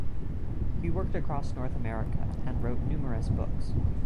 He worked across North America and wrote numerous books.